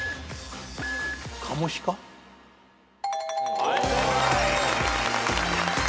はい正解。